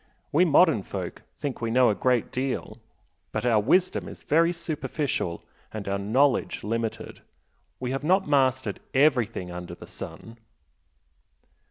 We modern folk think we know a great deal but our wisdom is very superficial and our knowledge limited. We have not mastered EVERYTHING under the sun!"